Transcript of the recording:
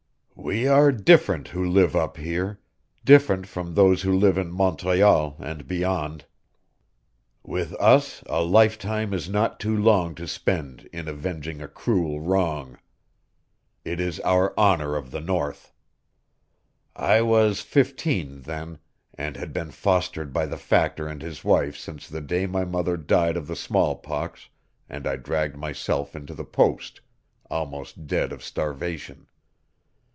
"We are different who live up here different from those who live in Montreal, and beyond. With us a lifetime is not too long to spend in avenging a cruel wrong. It is our honor of the North. I was fifteen then, and had been fostered by the Factor and his wife since the day my mother died of the smallpox and I dragged myself into the post, almost dead of starvation.